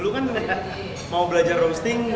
udah nabung dan sebagainya